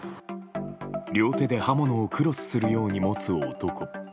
両手で刃物をクロスするように持つ男。